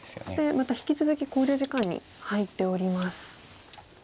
そしてまた引き続き考慮時間に入っております。